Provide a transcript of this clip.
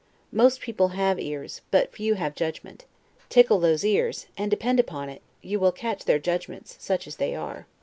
Most people have ears, but few have judgment; tickle those ears, and depend upon it, you will catch their judgments, such as they are.